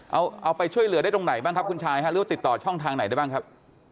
เอาเอาไปช่วยเหลือได้ตรงไหนบ้างครับคุณชายฮะหรือว่าติดต่อช่องทางไหนได้บ้างครับ